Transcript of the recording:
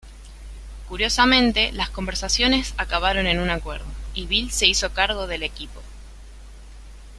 Curiosamente las conversaciones acabaron en un acuerdo y Bill se hizo cargo del equipo.